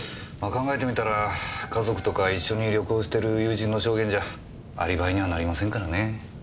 考えてみたら家族とか一緒に旅行してる友人の証言じゃアリバイにはなりませんからね。